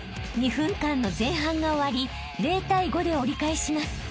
［２分間の前半が終わり０対５で折り返します］